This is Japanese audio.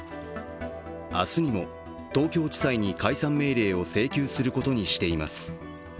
明日にも東京地裁に解散命令を請求することにしています。